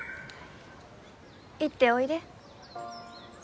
行っておいで。